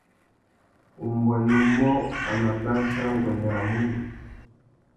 Umbuênê umô a mà bachia nguêndê râ mundu.